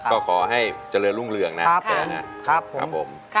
ก็ขอให้เจริญรุ่งเรืองนะแปรนะ